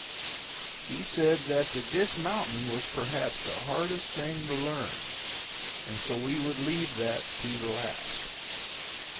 He said that the dismounting was perhaps the hardest thing to learn, and so we would leave that to the last.